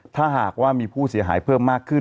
ถ้าหากว่ามีผู้เสียหายเพิ่มมากขึ้น